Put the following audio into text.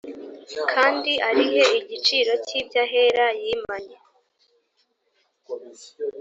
kandi arihe igiciro cy’iby’ahera yimanye